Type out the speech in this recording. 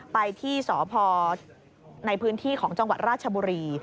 ไปที่สพในพื้นที่ของจังหวัดราชบุรี